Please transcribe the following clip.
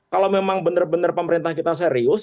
kalau memang benar benar pemerintah kita serius